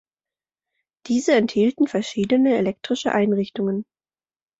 Diese enthielten verschiedene elektrische Einrichtungen.